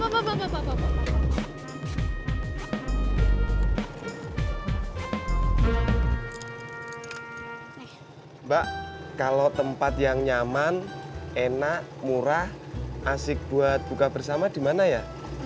mbak kalau tempat yang nyaman enak murah asik buat buka bersama di mana ya